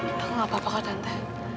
tante nggak apa apa kah tante